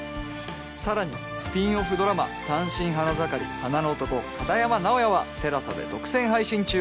さらにスピンオフドラマ『単身花盛り花の男――片山直哉』は ＴＥＬＡＳＡ で独占配信中！